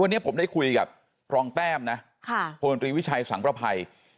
วันนี้ผมได้คุยกับรองแต้มนะพลตรีวิชัยสังประภัย